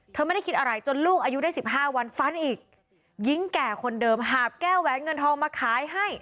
ไม่ได้คิดอะไรจนลูกอายุได้สิบห้าวันฟันอีกหญิงแก่คนเดิมหาบแก้วแหวนเงินทองมาขายให้